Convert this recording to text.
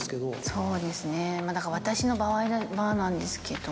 そうですねまぁだから私の場合はなんですけど。